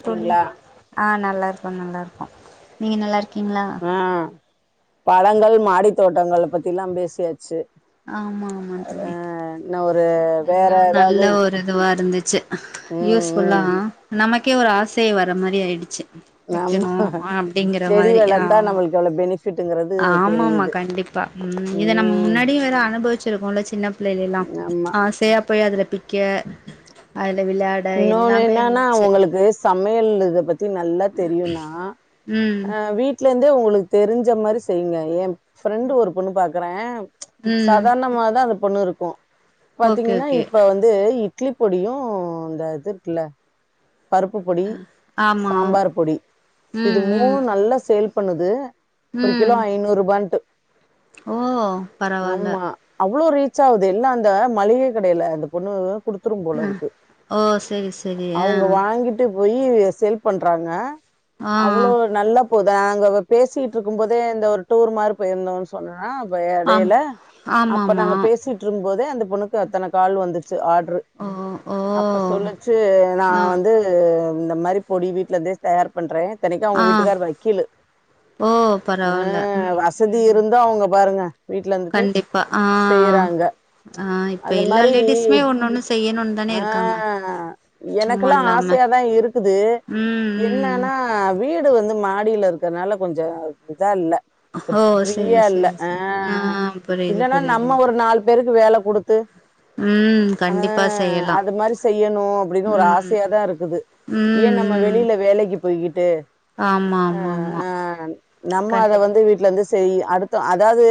தோழி ங்களா ஆ நல்லாருக்கோ நல்லாருக்கோ நீங்க நல்லாருக்கீங்ளா ஆ பழங்கள் மாடி தோட்டங்கள் பத்தில்லா பேசியாச்சு ஆமா ஆமா ஆ தோழி இன்ன ஒரு வேற அதல்லா ஒரு நல்ல ஏதாவது ஒரு இதுவா இருந்துச்சு ம் யூஸ்ஃபுல்லா ம் நமக்கே ஒரு ஆசை வர மாரி ஆய்டுச்சு நம்ம வைக்கணு அப்படிங்கற செடி மாரி வளத்தா ஆமா நம்மளுக்கு எவ்ளோ பெனிஃபிட்டுங்கிறது ஆமா மா தெரியுது கண்டிப் பா ம் இத நம்ம ம் முன்னாடியே வேற அனுபவிச்சிருக்கோல சின்ன பிள்ளைலலா ஆமா ஆசையா போய் அதுல பிக்க அதுல விளாட இன்னொன்னு என்னன்னா உங்களுக்கு சமையல் இத பத்தி நல்லா தெரியுனா ம் வீட்ல இருந்தே உங்களுக்கு தெரிஞ்ச மாரி செய்ங்க என் ஃப்ரெண்டு் ஒரு பொண்ணு பாக்குற ம் சாதாரணமாதா அந்த பொண்ணு இருக்கு ஓகே பாத்தீங்கன்னா ஓகே இப்ப வந்து இட்லி பொடியு இந்த இது இருக்குல பருப்பு பொடி ஆமா சாம்பார் பொடி இது ம் மூணு ம் நல்லா சேல் பண்ணுது ஒரு கிலோ ம் ஐநூறுபான்ட்டு ஓ பரவால்ல அவ்ளோ ரீச் ஆகுது எல்லா அந்த மளிகை கடையில அந்த பொண்ணு குடுத்து ஆ ஓ சரி சரி அவங்க வாங்கிட்டு போய் சேல் பண்றாங்க ஆ அவ்வளோ நல் போதா நாங்க பேசிட்ருக்கு போதே இந்த ஒரு டூர் மாரி போயிருந்தோ சொன்னா ப ஆம் எடையில அப்ப ஆமாமா நாங்க பேசிட்டு ட்ருக்கும் போதே அந்த பொண்ணக்கு அத்தன கால் வந்துச்சு ஆட்ரு ஓ ஓ அப்ப சொல்லுச்சி நா ஆ வந்து இந்த மாரி பொடி வீட்டுலருந்தே தயார் பண்றே இத்தனைக்கு அவங்க ஆ வீட்டுக்கார் வக்கீல் ஓ பரவால்ல ம் வசதி ம் இருந்தா அவங்க பாருங்க வீட்ல இருந்துட்டு கண்டிப்பா ஆ செய்யறாங்க ஆ இப்ப அந்த எல்லா மாரி லேடிஸுமே ஒண்ணு ஒண்ணு செய்யணு ஆ எனக்குல்லா இல்லாம ஆசையாதா இருக்குது ம் ம் என்னன்னா ஆ வீடு வந்து மாடியில இருக்கறனால கொஞ்ச இதா இல்ல ஓ செரி ஃப்ரீயா இல்ல செரி ஆ செரி புரியுது இல்லன்னா நம்ம புரியுதுங் ஒரு நாலு பேருக்கு வேல குடுத் ம் கண்டிப்பா அ செய் அது மாரி செய்யணு அப்டின்னு ஒரு ஆசையாதா இருக்குது ஏ ம் நம்ம ம் வெளியில வேலைக்கு போய்கிட்டு ஆமா அ ஆமா ஆமா ஆ நம்ம அத கண்டிப் வந்து வீட்லருந்து செய் அடுத்த அதாவது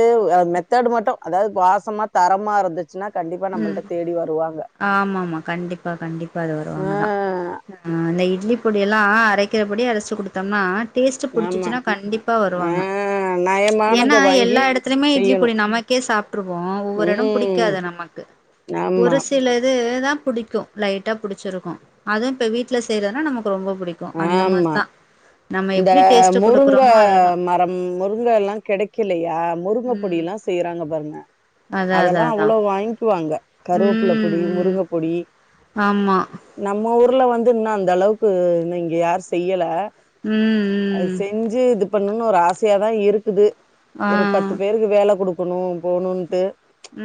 மெத்தடு் மட்டு அதாவது வாசமா தரமா இருந்து ச்சினா கண்டிப்பா நம்மள்ட்ட தேடி வருவாங்க ஆமாம்மா கண்டிப்பா கண்டிப்பா அது வருவாங்க தா ஆ ஆ இந்த இட்லி பொடியல்லாம அரைக்கிறபடி அரைச்சு குடுத்தோம்னா டேஸ்ட்டு ஆமா பிடிச்சிச்சுன்னா கண்டிப்பா ஆ வருவாங்க நயமானத ஏன்னா வாங்கி எல்லா எடத்துலயுமே இட்லி செய்யணு பொடி நாம் ட்லயே சாப்ட்ருவோ ஒவ்வொரு எட ம் புடிக்காது நமக்கு ஆமா ஒரு போச்சு சில இது தாபுடிக்கு லைட்டா புடிச்சிருக்கு அதுவு இப்ப வீட்ல செய்றதுனா நமக்கு ரொம்ப புடிக்கு இருக்கு அந்த ஆமா மாரிதா நம்ம இந்த எப்டி டேஸ்ட் முருங்க குடுக்குறோமோ அதுதா மரம்முருங்கெல்லா கெடைக்கலையா முரு ம் பொடில்லா செய்றாங்க பாருங்க அதா அதா அதெல்லா அதா அவ்ளோ வாங்க்குவாங்க கருவப்பிள்ள பொடி ம் ம் முருங்கப்பொடி ஆமா நம்ம ஊர்ல வந்து இன்னு அந்த அளவுக்கு இன்னு இங்க யாரு செய்யல ம் அது ம் செஞ்சு இது பண்ணனு ஒரு ஆசையாதா இருக்குது ஆ ஒரு பத்து பேருக்கு க்கு வேலை குடுக்கனு போனுன்ட்டு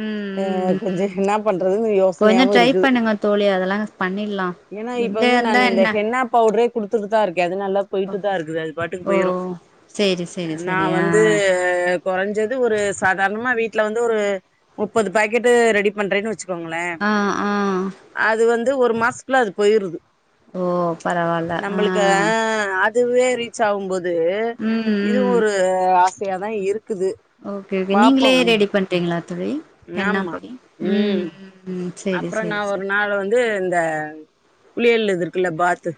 ம் எ ம் கொஞ்ச ம் என்னா பண்றதுன்னு கொஞ்சோ யோசனையாவு ட்ரை இருக்கு பண்ணுங்க தோழி அதெல்லா பண்ணிட்லா ஏன்னா இப்ப எங்க வந்து இருந்தா நான்னு இந்த என்ன ஹென்னா பவுடரே குடுத்துட்டு தா இருக்கே அது நாளதா போய் க்குதா இருக்குது அது பாட்டுக்கு ஓ போயிரு சேரி சேரி அ நா சேரி ஆ வந்து ஆ கொறைஞ்சது ஒரு சாதாரணமா வீட்ல வந்து ஒரு நுப்பது பாக்கெட்டு ரெடி பண்றேன்னு வச்சு கோங்களே ஆ ஆ அது வந்து ஒரு மாசத்குள்ள அது போயிருது ஓ பரவால்ல ஆ அதுவே ரீச் ஆவும்போது ம் இதுவு ம் ஒரு ஆசையாதா இருக்குது ஓக்கே ஓக்கே நீங்களே பாப்போம் ரெடி பண்றீங்களா தோழி ஹென்னா ஆமா பொடி ம் ம் ம் செரி செரி செ இது இந்த குளியல்ல இருக்குதுல பாத்து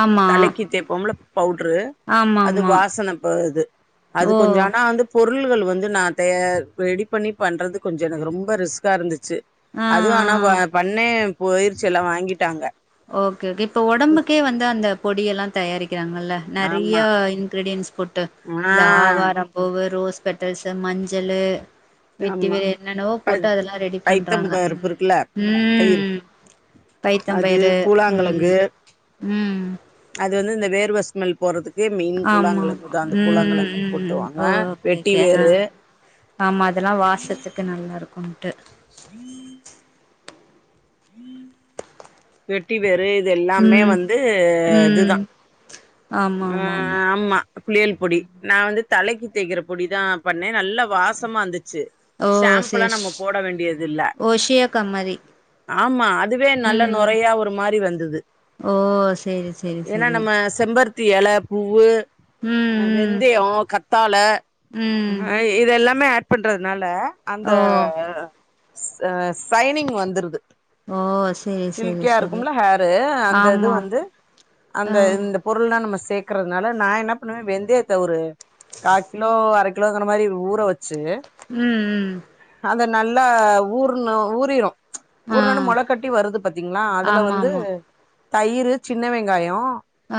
ஆமா தலைக்கு தேப்போம்ல பவுட்ரு ஆமா அது ஆமா வாசனை போவுது அது ஓ கொஞ்ச ஆனா வந்து பொருள்கள் வந்து நா தயா ரெடி பண்ணி பண்றது கொஞ்ச எனக்கு ரொம்ப ரிஸ்க்கா இருந்துச்சு ஆ அதுவு ஆனா ப ஆ பண்ணே போயிருச்சி எல்லா வாங்கிட்டாங்க ஓகே ஓகே இப்ப ஒடம்புக்கே வந்து அந்த பொடி எல்லா தயாரிக்கிறாங்கல்ல நெறைய ஆமா இன்கிரிடியன்ஸ் போட்டு ஆ இந்த ஆவாரம்பூவு ரோஸ்பெட்டல்ஸ் மஞ்சளு ஆமா வெட்டிவேர் என்னென்னவோ ப போட்டு அதெல்லா ரெடி பைத்தம் பண்றாங்க பருப்பு இருக்குல்ல ம் பயிறு ம் பைத்தம் அது பயரு ம் பூலாங்கெழங்கு ம் அது வந்து இந்த வேர்வ ஸ்மெல் போறதுக்கு அதுக்கு மெயின் ஆமா ஆமா பூழாங்கெழங்குதா அந்த ம் பூழாங்கெழங்கு ம் ம் போட்ருவாங்க ஓ ஓகே வெட்டி ஓகே ஆ வேரு ஆமா அதெல்லா வாசத்துக்கு நல்லாருக்குன்ட்டு [unintelligible] வெட்டிவேரு இது எல்லாமே ம் வந்து இதுதா ம் ஆமா ஆ ஆமா ஆமா குளியல் பொடி நா வந்து தலைக்கி தேக்கிற பொடி தா பண்ணே நல்லா வாசமா வந்துச்சு ஓ சாம்புல்லா நம்ம சேஷ் போட வேண்டியது இல்ல ஓஷியா கம்மரி ஆமா அதுவே நல்ல நொறையா ஒரு மாரி வந்துது ஓ சேரி சேரி ஏன்னா சேரி நம்ம செம்பரு த்தி இல பூவு அ ம் ம் வெந்தயோ கத்தாழ ம் ஆ இதெல்லாமே ஆட் பண்றதுனால அந்த ஓ ச சைனிங் வந்துருது ஓ சேரி சேரி சில்கியா சேரி இருக்கும்ல ஹேரு அந்த இது ஆமாம் வந்து ஆ அந்த இந்தப் பொரு ள்லா நம்ம சேக்றதுனால நா என்ன பண்ணுவே வெந்தயத்த ஒரு கா கிலோ அர கிலோங்ற மாரி ஊற வச்சு ம் ம் அத நல்லா ஊரணு ஊறிரு ஆ ஊர்ண வொன்ன மொளகட்டி வருது பாத்தீங்ளா அதுல ஆமா வந்து ஆமா தயிர் சின்னவெங்காயோ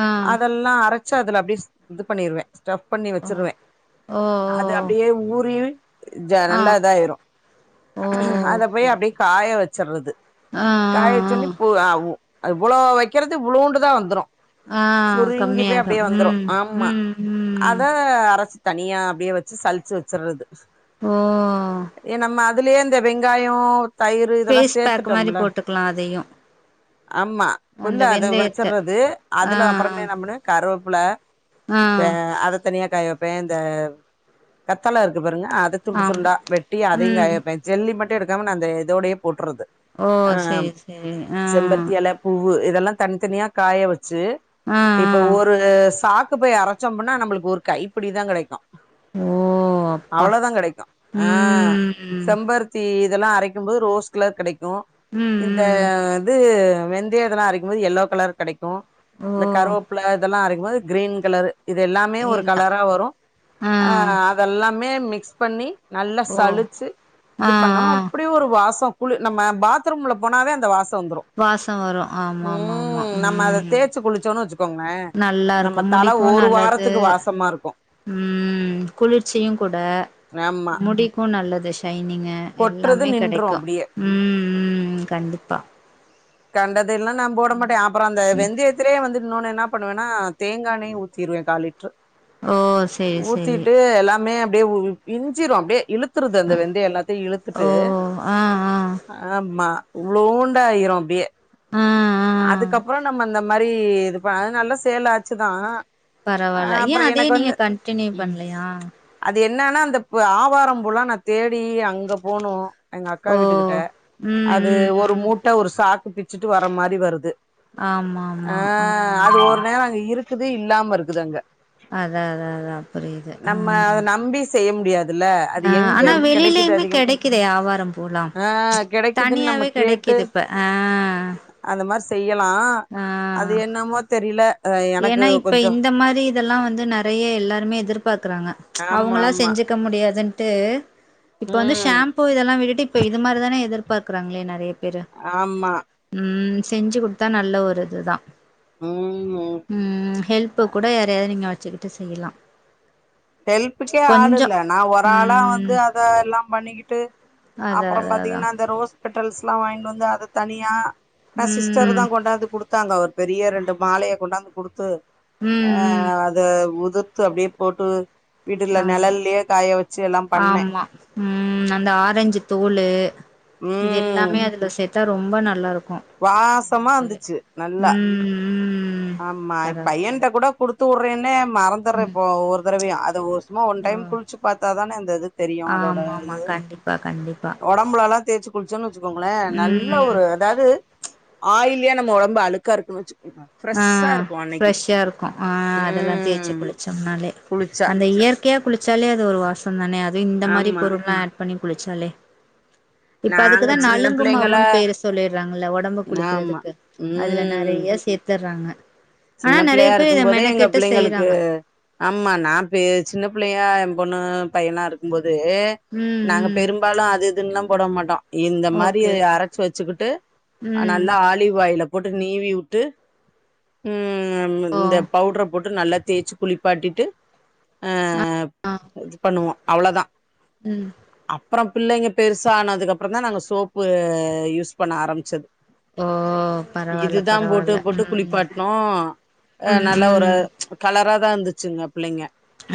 ஆ அதெல்லா அரச்சி அதுல அப்டியே இது பண்ணிருவே ஸ்டப் பண்ணி ஓ வச்சிருவே ஓ ஓ அது அப்டியே ஊறி ஜ ஆ நல்லா இதாயிரு ஓ அத ஓகே போய் அப்டியே காயவச்சிர்றது ஆ காய வச்ச ஆ ஒண்ணே போ ஆ ஓ இவ்வளோ வக்கிறது இவ்ளோண்டுதா வந்துரு ஆ ஆ சுருங்கி போய் கம்மியாயிடு அப்டியே வந்துரு ம் ஆம்மா ம் ம் அத அரச்சு தனியா அப்டியே வச்சு சளிச்சி வச்சுர்றது ஓ ஏ நம்ம அதுலயே அந்த வெங்காயோ தயிர் இதெல்லா ஃபேஸ் பேக் மாரி சேத்துட்டோம்ல போட்டுக்கலா அதையு ஆம்மா அந்த ஃபுல்லா வெந்தயத்த அதவச்சுர்றது ஆ அதுல இம்முன்னு கருவப்புல வே ஆ அத தனியா காய வப்பே இந்த கத்தாழ இருக்கு பாருங்க அத துண்டு ஆம் துண்டா வெட்டி அதயு காய ம் வப்பே ஜெல்லி மட்டு எடுக்காம நா அந்த இதோடயே போட்டுறது ஓ செரி செரி ஆ பூவ்வு இதெல்லா தனித்தனியா காய வச்சு ஆ ஆ இப்ப ஒரு சாக்கு பை அரசோம்னா நம்மளுக்கு ஒரு கை பிடி தா கெடைக்கு ஓ அப்பா அவ்ளோதா கெடைக்கு ஆ ம் ம் செம்பருத் தி இதெல்லா அரைக்கும் போது ரோஸ்கலர் கெடைக்கு ம் ம் இந்த இது வெந்தயோ இதெல்லா அரைக்கும் போது எல்லோ கலர் கெடைக்கு ம் கருவப்ல இதெல்லா அரைக்மோது க்ரீன் கலரு இது எல்லாமே ஒரு எல்லா கலரா வரு ஆ அத் இதல்லாமே மிக்ஸ் பண்ணி நல்லா ஓ சளிச்சு இது ஆ பண்ணா ஆ அப்பு அப்டி ஒரு வாசோ குளு நம்ம பாத்ரூம்ல போனாவே அந்த வாசோ வந்த்ரு வாச வரு ஆமாமாமா ம் த்து குளிச்சோனு வெச்சுக்கோங்ளே நல்லா நம்ம இருக்கு தல முடிக்கு ஒரு நல்லது வாரத்துக்கு வாசமாருக்கு ம் குளிர்ச்சியு குட ஆமா முடிக்கு நல்லது ஷைனிங்கு கொட்றது எல்லாமே நின்று கிடைக்கு அப்டியே ம் ம் கண்டிப்பா கண்டதெல்லா நா போட மாட்டே அப் ப்ற அந்த வெந்தயத்திலே வந்து இன்னொனு என்னா பண்ணுவனா தேங்கானேயு ஊத்திருவே கால் லிட்ரு ஓ செரி செரி ஊத்திட்டு எல்லாமே அப்டியே வுவு இஞ்சிரு அப்டே இழுத் த்துருது அந்த அ வெந்தய எல்லாத்தையு ஓ இழுத்துட்டு ஆ ஆ ஆமா இவ்ளோண்ட ஆயிரும் பியே ஆ அ அதுக்கப்றோ நம்ம இந்த மாரி இது பி அது நல்லா சேலாச்சுதா பரவால்ல ஏ அதே நீங்க கண்டின்யூ பண்லையா அது என்னான்னா அந்த பு ஆவாரம்பூலா நா தேடி அங்க போனோ எங்க அக்கா ஓ வீட்டு கிட்ட ம் அது ம் ஒரு ம் மூட்ட ஒரு சாக்கு பிச்சுட்டு வர மாரி வருது ஆமா அ ஆமா அது ஆ ஒரு நேரோ அங்க இருக்குது இல்லாம இருக்குது அங்க அதா அதா அதா புரியுது ஹா நம்ம அத அ நம்பி செய்ய முடியாத் ஆ ஆனா வெளிலேயுமே கிடைக்குதே ஆவாரம் போலாம் ஆ கெடைக்குதுன்னு நம்ம தனியாவே கேட்டு கிடைக்கிது இப்ப ஆ அந்த மார் செய்யலா அது ஆ என்னமோ தெரில எனக்கு ஏன்னா இப்ப கொஞ்சோ இந்த மாரித் இதெல்லா வந்து நறையெ எல்லாருமே எதிர்பாக்குறாங்க ஆமா அவங்களா ஆமா செஞ்சுக்க முடியாதுன்ட்டு இப்ப வந்து ம் ஷாம்பூ இதெல்லா விட்டுட்டு இப்ப இது மாரிதான எதிர்பாக்றாங்களே நறைய பேரு ஆமா ம் செஞ்சு குடுத்தா நல்ல ஒரு இதுதா ம் ஹீம் ம் ஹெல்ப்பு கூட யாரயா நீங்க வச்சுக்கிட்டு செய்யலா ஹெல்ப்புக்கே ஆள் கொஞ்சோ இல்ல நா ஒராளா வந்து ம் அத எல்லா பண்ணிக்கிட்டு அதா அப்றம் அதா அதா பாத்தீங்கன்னா அந்த ரோஸ் பெட்டல்ஸ்லா வாங்கின் வந்து அத தனியா நா சிஸ்டர் ம் தா கொண்டான்து குடு த்தாங்க ஒரு பெரிய ரெண்டு மாலைய கொண்டாந்து குடுத்து ம் அ ம் அ அல் த உதிர்த்து அப்டியே போட்டு வீட்டுல ஆமா நெழல்லயே காய வச்சு எல்லா பண்ணே ஆமா உம் அந்த ஆரஞ்சு தோளு இது ம் எல்லாமே அதுல சேத்தா ரொம்ப நல்லாருக்கு வாசமா இந்துச்சு நல்லா ம் ம் ஆமாய் பரவால்ல பையன்ட கூட குடுத்து உட்றேன்னு மறந்த் த்தரி போவு ஒரு தரவயா அது ஓசும்மா ஒன் ஓ டைம் குளிச்சு பாத்தாதான அந்த இது தெரியு அதோட இது அ கண்டிப்பா ம்பலல்லா தேச்சு குளிச்சோன் வெச்சுக்கோங்ளே நல்ல ம் ஒரு அதாது ஆயிலியா நம்ம ஒடம்பு அழுக்கா இருக்குன் வச்சு உங்க ஆ ஃப்ரெஷா இருக்கு ஆ அதெல்லா தேச்சு ம் குளிச்சம்னாலே குளிச்சா அந்த இயற் கேவ் குளிச்சாலே அது ஒரு வாசோ தானே அது இந்த மாரி ஆமா பொருள்ல்லா ஆட் பண்ணி குளிச்சாலே இப்ப நாங்க அதுக்குதா சின்ன பிள்ளைங்களா நலங்குமாவுன் பேரு சொல்லிற்றாங்கல்ல ஒடம்பு ஆமா குளிக்கிறதுக்கு அதுல ம் நெறய சேத் துர்ராங்க சின்ன பிள்ளையா இருக்கு போதே எங்க பிள்ளைங்களுக்கு செய்யறாங்க ஆமா நா பே சின்ன பிள்ளையா எ பொண்ணு பையலா இருக்கு போது ம் நாங்க ம் பெரும்பாலு அது இதுன்லா போட மாட்டோ இந்த மாரி ஓகே ஓகே அரச்சு வச்சுக்கிட்டு ம் நல்லா ஆலிவ் ஆயில போட்டு நீவி உட்டு ம் ஓ இந்த பவ்டர போட்டு நல்லா தேச்சு குளிப்பாட்டிட்டு அ அ இது பண்ணுவோ அவ்ளதா ம் அப்றோ பிள்ளைங்க பெருசா ஆனதுக்கு அப்றந்தா நாங்க சோப்பு யூஸ் பண்ண ஆரம்பிச்சது ஓ பரவால்ல இதுதா போட்டு பரவால்ல போட்டு ம் குளிப்பாட் ஆ ம் நல்ல ஒரு ம் கலரா தா இருந்துச்சுங்க பிள்ளைங்க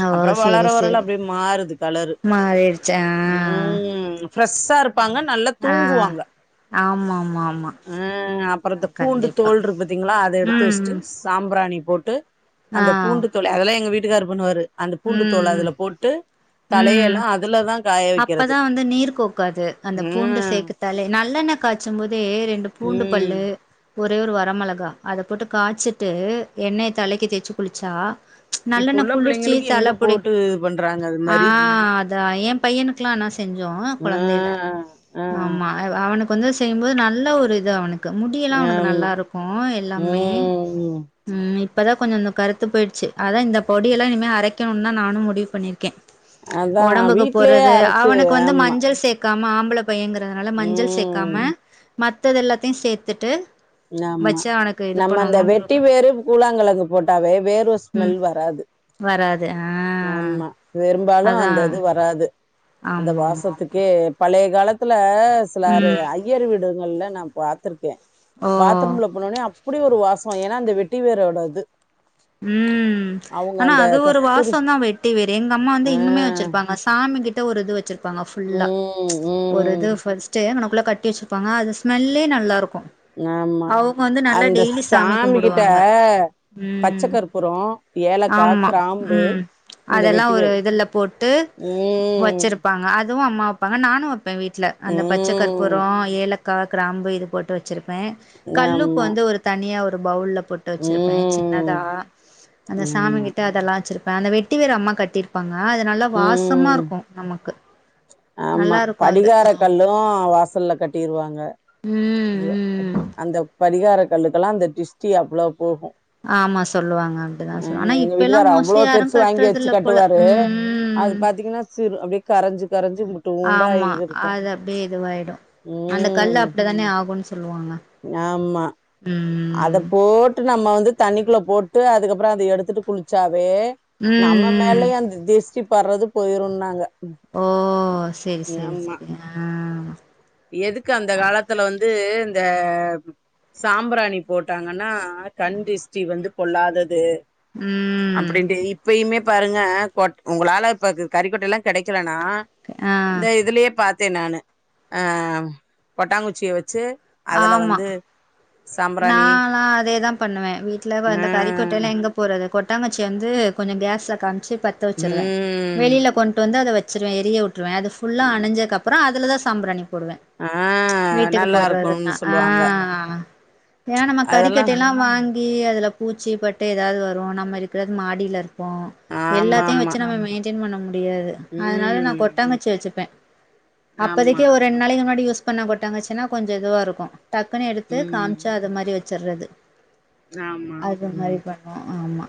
ஓ அப்றோ வளர சேரி வரல சேரி அப்டி மாறுது கலரு மாறிடுச்சா ம் ஃப்ரெஷ்ஷா இருப்பாங்க நல்லா ஆ தூங்குவாங்க ஆ ஆமா ஆமா ஆமா அ அப்புறத்த பூண்டு கண்டிப்பா தோல் இருக்கு பாத்தீங்களா அத எடுத்து ம் வச்ட்டு ம் சாம்ப்ராணி போட்டு ஆ அந்த பூண்டு தோல அதெல்லா எங்க வீட்டுக்காரு பண்ணுவாரு அந்த பூண்டு தோல ம் அதுல போட்டு ம் தலையெல்லா ம் அதுல தா அப்பதா வந்து நீர் கோக்காது அந்த பூண்டு ம் சேக்கத்தாலே நல்லெண்ண காச்சு போதே ரெண்டு பூண்டு ம் பல்லு ஒரே ஒரு வரமெளகா அத போட்டு காச்சிட்டு எண்ணெய தலைக்கி தேச்சு குளிச்சா இப்ப நல்லெண்ண உள்ள குளிர்ச்சி பிள்ளைங்களுக்கு எங்க ஜலப்புடி போட்டு இது பண்றாங்க அது ஆ மாரி அதா ஏ இவனுக்குளா நா செஞ்சோ ஆ கொழந்தைல ஆ ஆமா அ அவனுக்கு வந்து செய்யுபோது நல்ல ஒரு இது அவனுக் கு முடியெல்லா அவனுக்கு ஆமா நல்லா இருக்கு எல்லாமே ம் ம் இப்பதா கொஞ்ச இன்னு கருத்து போயிடுச்சு அதா இந்த பொடியெல்லா இனிமே அரைக்கணுன் நானு முடிவு பண்ணிருக்கே அதா ஒடம்புக்கு வீட்லயே போறது அரச்சு அவனுக்கு வந்து ஆமா மஞ்சள் சேக்காம ஆம்பள பையங்கிறதுனால மஞ்சள் சேக்காம ம் மத்தது எல்லாத்தையு சேத்துட்டு நாமா வச்சு அவனுக்கு இது நம்ம அந்த வெட்டி பண்ணணுன்ருக்கே வேறு கூழாங்கழங்கு போட்டாவே வேர்வ ம் ஸ்மெல் வராது வராது ஆ ஆமா பெரும்பாலு அதா அந்த இது வராது அந்த ஆமா ஆமா ஆமா வாசத்துக்கே பழைய காலத்துல சிலாரு ம் ஐ உயர் வீடுங்கள்ல நா பாத்துருக்கே ஆ பாத்ரூம்ல போனோனே அப்டி ஒரு வாசோ ஏனா அந்த வெட்டிவேரோட இது ம் அவங்க ஆனா அந்த அது ஒரு கஸ்தூரி வாசோதா வெட்டி வேர் எங்க அம்மா வந்து இன்னுமே ஆ வச்சிருப்பாங்க சாமி கிட்ட ஒரு இது வச்சிருப்பாங்க ஃபுல்லா ம் ஒரு இது ம் ஃபர்ஸ்ட் சே அங்கனக்குள்ள கட்டி வச்சிருப்பாங்க அது ஸ்மெல்லே நல்லாருக்கு ஆமா அவுங்க வந்து நல்லா அந்த டெய்லி சாமி கிட்ட கும்புடுவாங்க ம் பச்சக்கற்ப் புறோ ஏலக்கா ஆமா க்ராம்பு ம் அதெல்லா ஒரு இதுல போட்டு ம் வச்சிருப்பா ப்பாங்க அதுவு அம்மா வப்பாங்க நானு வப்ப வீட்ல அந்த பச்ச ம் கற்பூரோ ஏலக்கா க்ராம்பு இது போட்டு வச் ச்சிருப்ப கல்லுப்பு ஆமா வந்து ஒரு தனியா ஒரு பவுல்ல போட்டு வச்சிருப்பே ம் சின்னதா அந்த சாமி ஆமா கிட்ட அதெல்லா வச்சிருப்ப அந்த வெட்டி வேர் அம்மா கட்டிருப்பாங்க அது நல்லா வாசமா ம் இருக்கு நமக்கு ஆமா நல்லா இருக்கு அது படிகார ஆமா கல்லு வாசல்ல கட்டிருவாங்க ம் [unintelligible] ம் அந்த பரிகார கல்லுக்கெலா அந்த டிஸ்டி அவ்ளோ போகு ஆமா சொல்லுவாங்க அப்டிதா அ சொல் ஆனா எங்க இப்ப எல்லா வீட்டுக்கார் அவ்வுளோ மோஸ்ட்லி யாரு பெருசு வாங்கி கட்றது வச்சு இல்ல போல கட்டுவாரு அது ம் பாத் தீங்குனா சிறு அப்டியே கரஞ்சு க ஆமா அது அப்டே இதுவாய்டு அந்த கல்லு ம் அப்டிதானே ஆகுன் சொல்லுவாங்க ஆமா அத ம் போட்டு நம்ம வந்து தண்ணிக்குள்ள போட்டு அதுக்கப்றோ அத எடுத்துட்டு குளி ச்சாவே ம் நம்ம ம் மேலயு அந்த திஷ்டி பட்றது போயிருன்னாங்க ஓ செரி செரி செரி ஆ எதுக்கு அந்த காலத்துல வந்து இந்த சாம்புராணி போட்டாங்கனா ஆக கண் திஸ்ட்டி வந்து பொள்ளாதது ம் அப்டின்ட்டு இப்பயுமே பாருங்க கொட் உங்குளால இப்பக்கு கறிக்கொட்டலா கெடைக்கலனா ஆ அந்த இதுலியே பாத்தே நானு ஆ கொட்டாங்குச்சிய வச்சு அதுல ஆமா வந்து சாம்பிராணி நாலா அதேதா பண்ணுவே வீட்ல வ ஆ அந்த கறிக்கொட்டேலா எங்க போறது கொட்டாங்கச்ய வந்து கொஞ்சோ கேஸ்ல காம்ச்சு பத்த வச்சிருவே ம் வெளில கொண்ட்டு வந்து அத வச்சிருவே எரிய உட்ருவே அது ஃபுல்லா அணஞ்சக்கப்றோ அதுலதா சாம்ப்ராணி போடுவ ஆ வீட்டுக்கு நல்லா இருக்கும்னு போட்றதுன்னா ஆ சொல்லுவாங்க ஏனா நம்ம அதெல்லா கறிக்கட்டேலா வாங் கி அதுல பூச்சி பட்டு ஏதாது வரு நம்ம இருக்குறது மாடில இருப்போ ஆமா எல்லாத்யு ஆமா வச்சு நம்ம மெய்ன்டெய்ன் பண்ண முடியாது அதுனால நா ம் கொட்டாங்கச்சிய வச்சுப்பே ஆமா அப்பதைக்கு ஒரு ரெண்டு நாளைக்கு முன்னாடி யூஸ் பண்ண கொட்டாங்கச்சுனா கொஞ்ச இதுவா இருக்கு டக்குன்னு எடுத்து காம் ம் அத மாரி வச்சர்றது ஆமா அது ம் மாரி பண்ணோ ஆமா